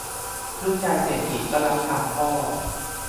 ลูกชายเศรษฐีก็รับคำพ่อ